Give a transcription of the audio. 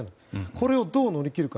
これをどう乗り切るか。